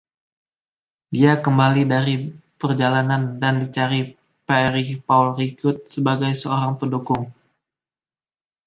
Dia kembali dari perjalanan dan dicari Pierre-Paul Riquet sebagai seorang pendukung.